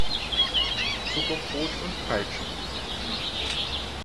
Zuckerbrot und Peitsche.